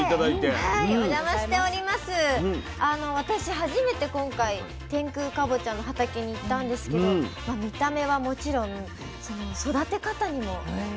初めて今回天空かぼちゃの畑に行ったんですけど見た目はもちろんその育て方にもとてもびっくりしました。